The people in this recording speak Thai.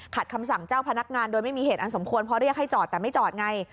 คำสั่งเจ้าพนักงานโดยไม่มีเหตุอันสมควรเพราะเรียกให้จอดแต่ไม่จอดไง